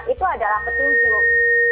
itu adalah petunjuk